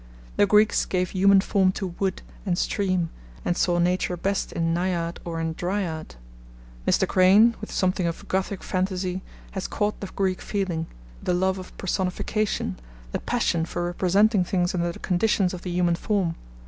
The Greeks gave human form to wood and stream, and saw Nature best in Naiad or in Dryad. Mr. Crane, with something of Gothic fantasy, has caught the Greek feeling, the love of personification, the passion for representing things under the conditions of the human form.